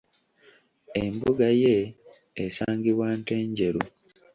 Embuga ye esangibwa Ntenjeru.